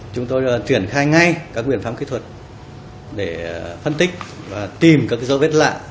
chúng tôi triển khai ngay các biện pháp kỹ thuật để phân tích và tìm các dấu vết lạ